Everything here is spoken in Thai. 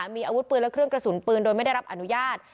มีอาวุธปืนและเครื่องกระสุนปืนโดยไม่ได้รับอนุญาต